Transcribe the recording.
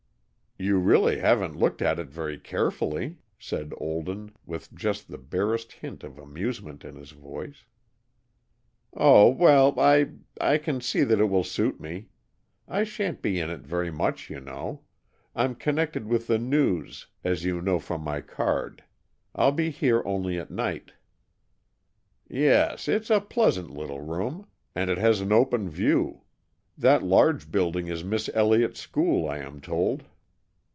"You really haven't looked at it very carefully," said Olden, with just the barest hint of amusement in his voice. "Oh, well, I I can see that it will suit me. I shan't be in it very much, you know. I'm connected with the News, as you know from my card. I'll be here only at night." "Yes, it's a pleasant little room. And it has an open view. That large building is Miss Elliott's School, I am told."